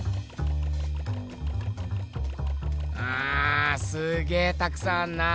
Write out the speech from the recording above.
うんすげぇたくさんあんな。